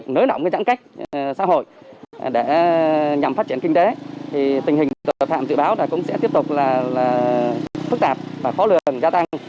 nới lỏng giãn cách xã hội để nhằm phát triển kinh tế thì tình hình tội phạm dự báo là cũng sẽ tiếp tục là phức tạp và khó lường gia tăng